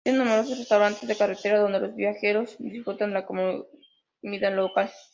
Existen numerosos restaurantes de carretera donde los viajeros disfrutan de la comida local.